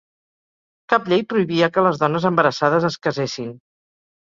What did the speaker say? Cap llei prohibia que les dones embarassades es casessin.